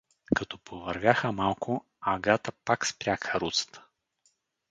Като повървяха малко, Агата пак спря каруцата.